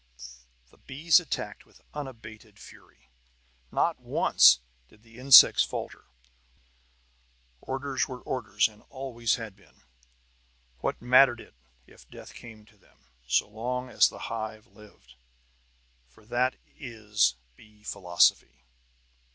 The bees attacked with unabated fury. Not once did the insects falter; orders were orders, and always had been. What mattered it if death came to them, so long as the Hive lived? For that is bee philosophy.